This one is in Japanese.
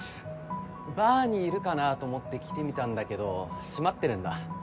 バーにいるかなと思って来てみたんだけど閉まってるんだ。